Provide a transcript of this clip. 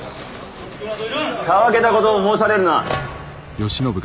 たわけたことを申されるな！